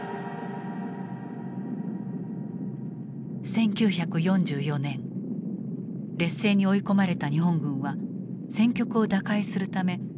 １９４４年劣勢に追い込まれた日本軍は戦局を打開するためある作戦を開始した。